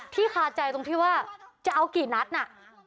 คาใจตรงที่ว่าจะเอากี่นัดน่ะ